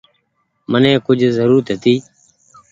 مني ڪجه زرورت هيتي۔